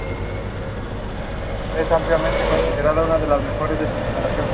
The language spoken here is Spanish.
Generalmente se encuentran bosques petrificados en esta formación.